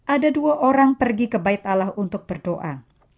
ada dua orang pergi kebaik allah untuk berdoa